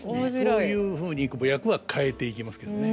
そういうふうに役は変えていきますけどね